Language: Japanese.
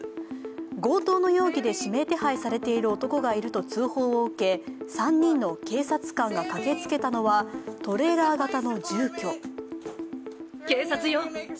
強盗の容疑で指名手配されている男がいると通報を受け３人の警察官が駆けつけたのは、トレーラー型の住居。